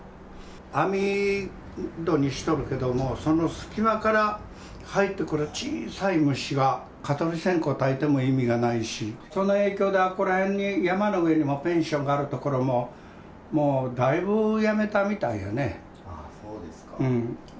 網戸にしとるけども、その隙間から入ってくる小さい虫が、蚊取り線香たいても意味がないし、その影響で、あそこら辺に山の上にもペンションがある所も、もうだいぶやめたみたいやね。